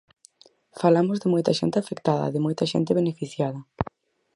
Falamos de moita xente afectada, de moita xente beneficiada.